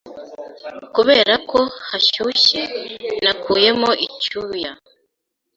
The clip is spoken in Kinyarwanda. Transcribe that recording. Kubera ko hashyushye, nakuyemo icyuya.